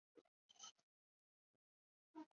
同母弟蜀王李愔。